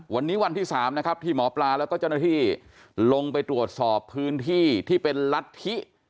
วันนี้วันที่๓นะครับที่หมอปลาแล้วก็เจ้าหน้าที่ลงไปตรวจสอบพื้นที่ที่เป็นรัฐธิ